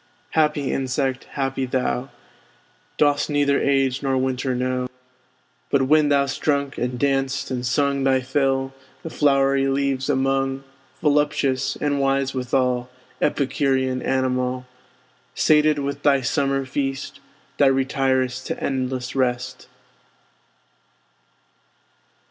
Happy insect, happy thou! Dost neither age nor winter know; But, when thou'st drunk, and danced, and sung Thy fill, the flowery leaves among, (Voluptuous, and wise withal, Epicurean animal!) Sated with thy summer feast, Thou retir'st to endless rest.